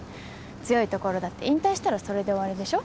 強いところだって引退したらそれで終わりでしょ。